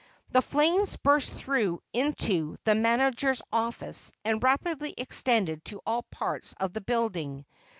The flames burst through into the manager's office, and rapidly extended to all parts of the building.